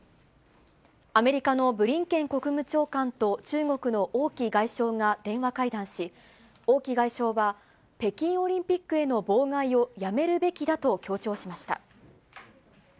アメリカのブリンケン国務長官と中国の王毅外相が電話会談し、王毅外相は、北京オリンピックへの妨害をやめるべきだと強調しました。